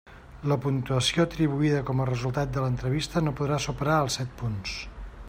La puntuació atribuïda com a resultat de l'entrevista no podrà superar els set punts.